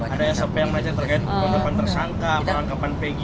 ada sop yang melenceng terkait pendapatan tersangka perangkapan pg